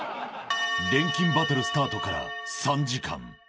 錬金バトルスタートから３時間。